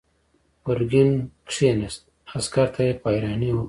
ګرګين کېناست، عسکر ته يې په حيرانۍ وکتل.